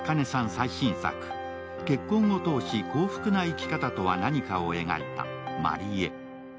最新作、結婚を通し幸福な生き方は何かを描いた「マリエ」。